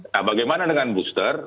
nah bagaimana dengan booster